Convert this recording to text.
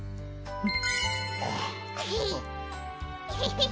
うん！